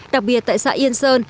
đặc biệt tại xã yên sơn